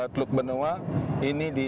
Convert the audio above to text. teluk benua ini